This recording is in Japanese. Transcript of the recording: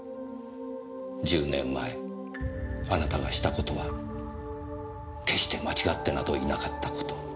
１０年前あなたがした事は決して間違ってなどいなかった事を。